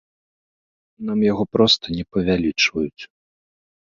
Нам яго проста не павялічваюць.